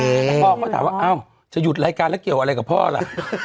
แต่พ่อก็ถามว่าอ้าวจะหยุดรายการแล้วเกี่ยวอะไรกับพ่อล่ะ